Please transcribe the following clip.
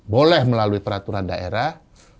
boleh melalui peraturan daerah